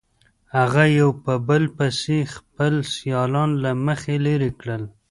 هغه یو په بل پسې خپل سیالان له مخې لرې کړل.